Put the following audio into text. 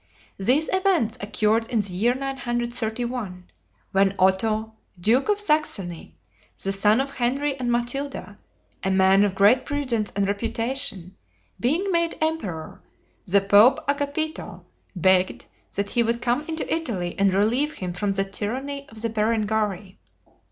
These events occurred in the year 931, when Otho, duke of Saxony, the son of Henry and Matilda, a man of great prudence and reputation, being made emperor, the pope Agapito, begged that he would come into Italy and relieve him from the tyranny of the Berengarii.